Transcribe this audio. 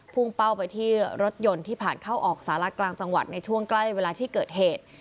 เป้าไปที่รถยนต์ที่ผ่านเข้าออกสาระกลางจังหวัดในช่วงใกล้เวลาที่เกิดเหตุ